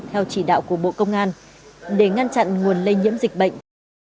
theo chỉ đạo của bộ công an để ngăn chặn nguồn lây nhiễm dịch bệnh